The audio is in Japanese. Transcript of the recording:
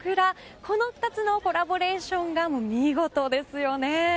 この２つのコラボレーションが見事ですよね。